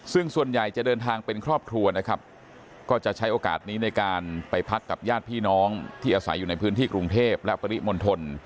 ซึ่งส่วนใหญ่จะเดินทางเป็นครอบครัวนะครับก็จะใช้โอกาสนี้ในการไปพักกับญาติพี่น้องที่อาศัยอยู่ในพื้นที่กรุงเทพและปริมณฑล